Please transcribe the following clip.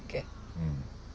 うん。